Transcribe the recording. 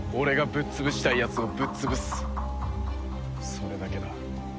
それだけだ。